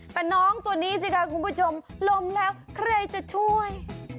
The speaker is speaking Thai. แต่น้องตัวนี้สิคะคุณผู้ชมลมแล้วใครจะช่วย